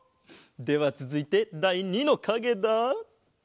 ではつづいてだい２のかげだ。